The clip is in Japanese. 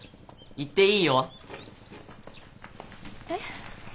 行っていいよ。え？